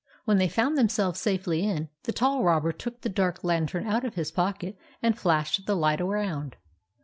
When they found themselves safely in, the tall robber took the dark lantern out of his pocket and flashed the light around.